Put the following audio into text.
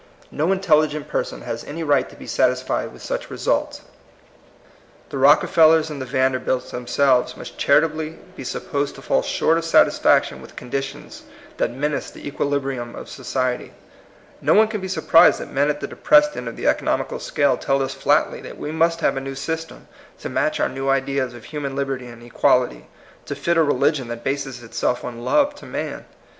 No intelligent person POSSIBLE REVOLUTION, 161 has any right to be satisfied with such re sults. The Rockefellers and the Vander bilts themselves must charitably be supposed to fall short of satisfaction with conditions that menace the equilibrium of society* No one can be surprised that men at the depressed end of the economical scale tell us flatly that we must have a new Sjrstem to match our new ideas of human liberty and equality, to fit a religion that bases itself on love to man.